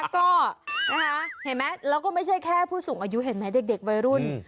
ก็นะคะเห็นไหมแล้วก็ไม่ใช่แค่ผู้สูงอายุเห็นไหมเด็กวัยรุ่น